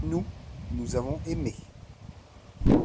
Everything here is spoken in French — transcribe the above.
nous, nous avons aimé.